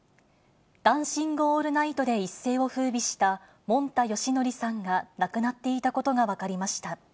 ダンシング・オールナイトで一世をふうびした、もんたよしのりさんが亡くなっていたことが分かりました。